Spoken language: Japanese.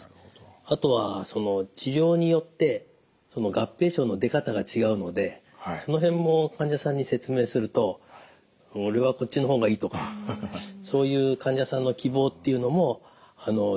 あとはその治療によって合併症の出方が違うのでその辺も患者さんに説明すると「俺はこっちの方がいい」とかそういう患者さんの希望っていうのも重要な要素になりますね。